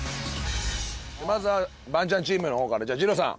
まずはバンチャンチームの方からじゃあじろうさん